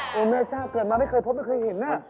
โบเมฆชาติเกิดมาไม่เคยพบไม่เคยเห็นว่ะ